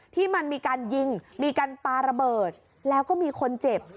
ที่มันมีการยิงมีการปาระเบิดแล้วก็มีคนเจ็บ